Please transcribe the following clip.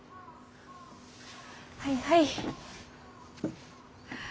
はいはい。